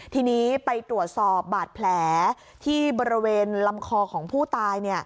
ทีนี้ไปตรวจสอบบาดแผลที่บริเวณลำคอของผู้ตาย